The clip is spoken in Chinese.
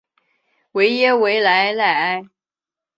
维耶维莱赖埃。